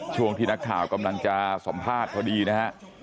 ช่วงที่นักข่าวกำลังจะสัมภาษณ์พอดีนะฮะ